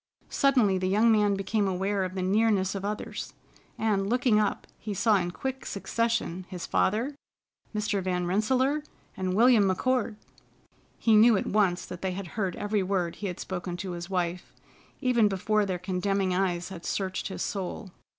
Suddenly the young man became aware of the nearness of others, and, looking up, he saw in quick succession his father, Mr. Van Rensselaer, and William McCord! He knew at once that they had heard every word he had spoken to his wife, even before their condemning eyes had searched his soul.